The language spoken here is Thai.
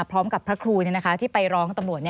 พร้อมกับพระครูที่ไปร้องกับตำรวจ